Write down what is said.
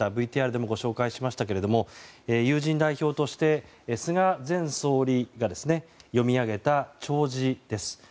ＶＴＲでもご紹介しましたが友人代表として菅前総理が読み上げた弔辞です。